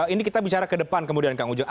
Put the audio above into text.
ini kita bicara ke depan kemudian kang ujang